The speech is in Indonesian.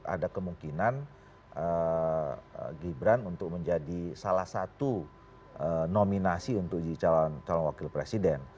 ada kemungkinan gibran untuk menjadi salah satu nominasi untuk jadi calon wakil presiden